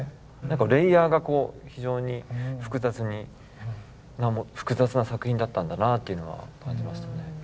レイヤーが非常に複雑な作品だったんだなっていうのは感じましたね。